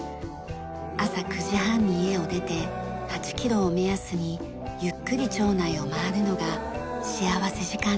朝９時半に家を出て８キロを目安にゆっくり町内を回るのが幸福時間です。